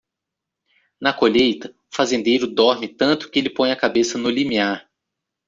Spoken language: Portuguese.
Na colheita, o fazendeiro dorme tanto que ele põe a cabeça no limiar.